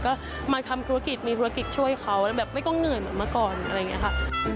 ก็มาทำธุรกิจมีธุรกิจช่วยเขาแล้วแบบไม่ต้องเหนื่อยเหมือนเมื่อก่อนอะไรอย่างนี้ค่ะ